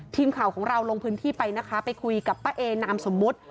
ทีมข่าวของเราลงพื้นที่ไปนะคะไปคุยกับป้าเอนามสมมุติ